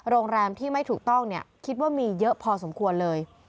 โรงแรมที่ไม่ถูกต้องคิดว่ามีเยอะพอสมควรเลย